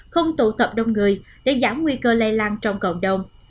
không tụ tập đông người để giảm nguy cơ lây lan trong cộng đồng